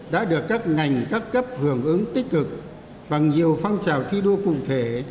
đã được các ngành các cấp hưởng ứng tích cực bằng nhiều phong trào thi đua cụ thể